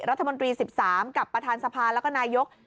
รัฐมนตรี๑๓กับประธานสภาแล้วก็นายก